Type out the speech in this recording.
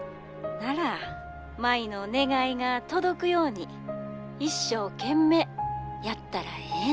☎なら舞の願いが届くように一生懸命やったらええの。